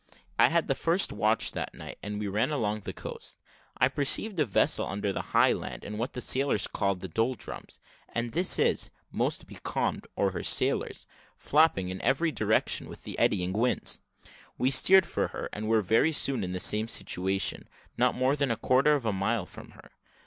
I had the first watch that night, and as we ran along the coast, I perceived a vessel under the high land, in what the sailors called the doldrums; this is, almost becalmed, or her sails flapping about in every direction with the eddying winds. We steered for her, and were very soon in the same situation, not more than a quarter of a mile from her.